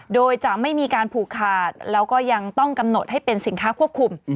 โดยจะไม่มีการผูกขาดแล้วก็ยังต้องกำหนดให้เป็นสินค้าควบคุม